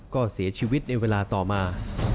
ก็เสียชีวิตในเวลาต่อมา